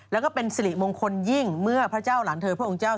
แล้วก็เป็นสิริมงคลยิ่งเมื่อพระเจ้าหลานเธอพระองค์เจ้า